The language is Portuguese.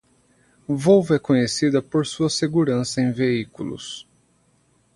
Volvo é conhecida por sua segurança em veículos.